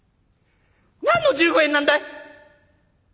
何の１５円なんだい？」。